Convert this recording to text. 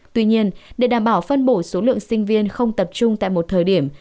tuy nhiên để đảm bảo phân bổ số lượng sinh viên không tập trung tại một thời điểm